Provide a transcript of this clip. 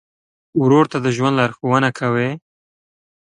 ورور ته د ژوند لارښوونه کوې.